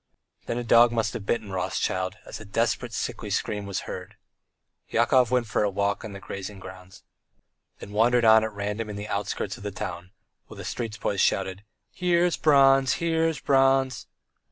Then a dog must have bitten Rothschild, as a desperate, sickly scream was heard. Yakov went for a walk on the grazing ground, then wandered on at random in the outskirts of the town, while the street boys shouted: "Here's Bronze! Here's Bronze!"